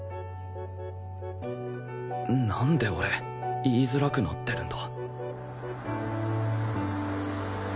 なんで俺言いづらくなってるんだ？